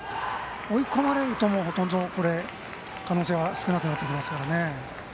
追い込まれるとどんどん可能性は少なくなってきますからね。